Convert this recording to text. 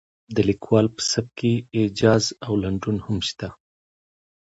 د لیکوال په سبک کې ایجاز او لنډون هم شته.